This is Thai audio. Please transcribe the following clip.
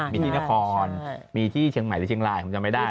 มีที่นครมีที่เชียงใหม่หรือเชียงรายผมจำไม่ได้